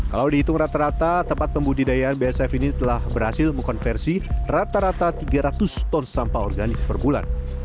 kalau dihitung rata rata tempat pembudidayaan bsf ini telah berhasil mengkonversi rata rata tiga ratus ton sampah organik per bulan